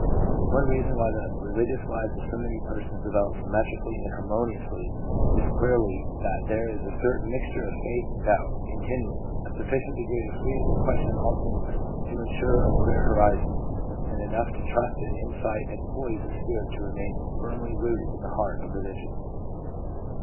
One reason why the religious lives of many persons develop symmetrically and harmoniously is clearly that there is a certain mixture of faith and doubt continually — a sufficient degree of freedom to question all things to insure a clear horizon, and enough trust and insight and poise of spirit to remain firmly rooted in the heart of religion.